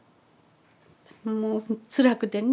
もうつらくてね。